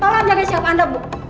tolong jadi siap anda bu